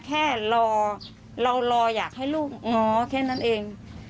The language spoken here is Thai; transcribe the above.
แค่รอเรารออยากให้ลูกง้อแค่นั้นเอง